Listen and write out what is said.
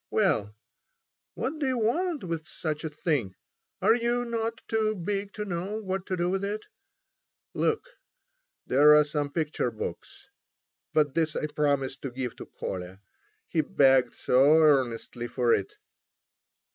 Well, what do you want with such a thing? Are you not too big to know what to do with it? Look, there are some picture books. But this I promised to give to Kolya; he begged so earnestly for it."